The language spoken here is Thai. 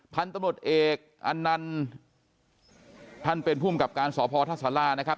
ท่านตำรวจเอกอันนั้นท่านเป็นผู้มีกับการสอบภอทศลานะครับ